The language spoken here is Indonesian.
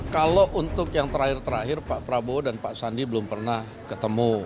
kalau untuk yang terakhir terakhir pak prabowo dan pak sandi belum pernah ketemu